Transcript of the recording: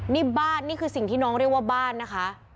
นี่บ้านนี่คือสิ่งที่น้องเรียกว่าบ้านนะคะ